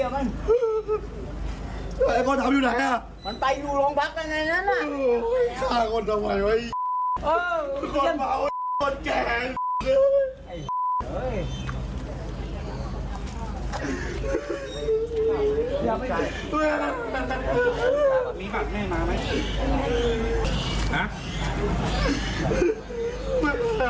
มีบัตรแม่มาไหม